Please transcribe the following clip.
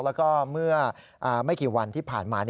แล้วก็เมื่อไม่กี่วันที่ผ่านมา